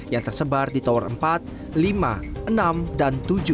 yang tersebar di tower empat lima enam dan tujuh